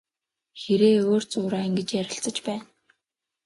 Хэрээ өөр зуураа ингэж ярилцаж байна.